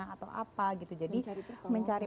atau apa jadi mencari